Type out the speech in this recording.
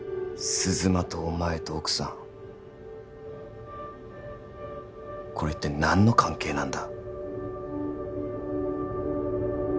鈴間とお前と奥さんこれ一体何の関係なんだ？